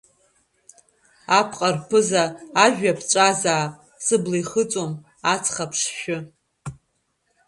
Апҟа рԥыза ажәҩа ԥҵәазаап, сыбла ихыҵуам аҵх аԥшшәы.